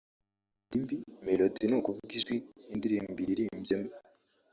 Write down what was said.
Kugira Melody mbi (Melody ni ukuvuga ijwi indirimbo iririmbyemo)